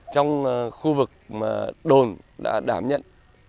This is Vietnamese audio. trong khu vực đồn đã đảm nhận